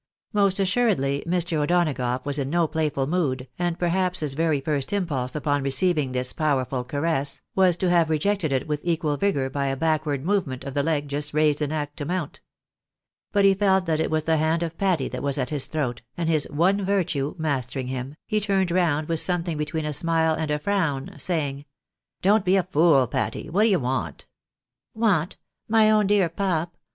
Most assuredly Mr. O'Donagough was in no playful mood, and perhaps his very first impulse upon receiving this power ful caress, was to have rejected it with equal vigour by a backward movement of the leg just raised in act to mount. But he felt that it was the hand of Patty that was at his throat, and his " one virtue " mastering him, he turned round with something between a smile and a frown, saying —" Don't be a fool, Patty. What d'ye want ?"" Want ? my own dear pap